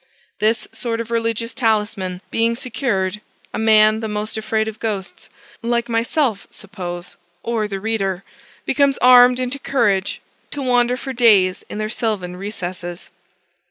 This sort of religious talisman being secured, a man the most afraid of ghosts (like myself, suppose, or the reader) becomes armed into courage to wander for days in their sylvan recesses.